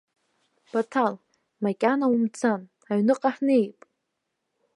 Баҭал, макьана умцан, аҩныҟа ҳнеип.